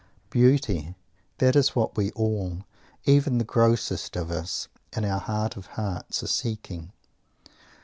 Beauty! That is what we all, even the grossest of us, in our heart of hearts are seeking.